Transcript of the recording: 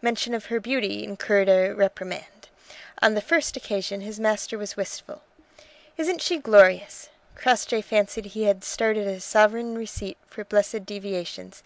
Mention of her beauty incurred a reprimand. On the first occasion his master was wistful. "Isn't she glorious!" Crossjay fancied he had started a sovereign receipt for blessed deviations.